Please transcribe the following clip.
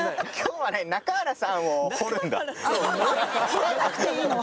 掘らなくていいの。